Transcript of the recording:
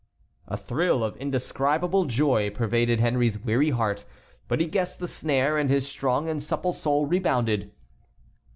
A thrill of indescribable joy pervaded Henry's weary heart, but he guessed the snare and his strong and supple soul rebounded.